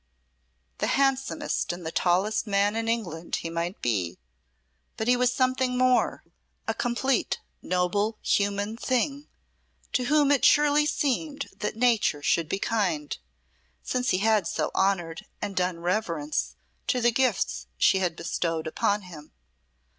The handsomest and the tallest man in England he might be, but he was something more a complete noble human thing, to whom it surely seemed that nature should be kind, since he had so honoured and done reverence to the gifts she had bestowed upon him.